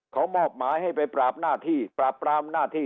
เขามอบหมายให้ไปปราบหน้าที่ปราบปรามหน้าที่